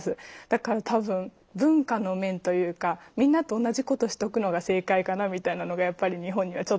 だから多分文化の面というかみんなと同じことしとくのが正解かなみたいなのがやっぱり日本にはちょっとあるので。